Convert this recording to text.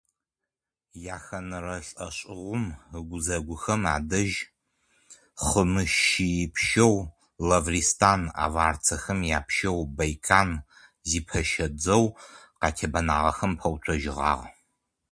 Яхэнэрэ лӏэшӏэгъум ыгузэгухэм адэжь хъымыщэипщэу Лавристан аварцэхэм япщэу Байкан зипэщэ дзэу къатебэнагъэхэм пэуцужьыгъагъ.